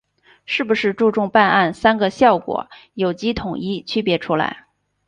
是不是注重办案‘三个效果’有机统一区别出来